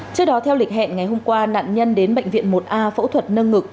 trước đó theo lịch hẹn ngày hôm qua nạn nhân đến bệnh viện một a phẫu thuật nâng ngực